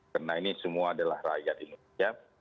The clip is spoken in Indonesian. karena ini semua adalah rakyat indonesia